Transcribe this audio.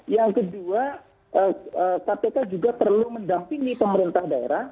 yang kedua kpk juga perlu mendampingi pemerintah daerah